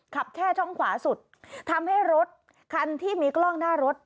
แค่ช่องขวาสุดทำให้รถคันที่มีกล้องหน้ารถ